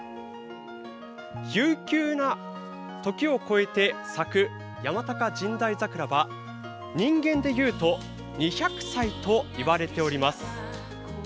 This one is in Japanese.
悠久の時を超えて咲く山高神代桜は、人間でいうと２００歳といわれております。